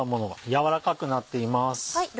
柔らかくなっています。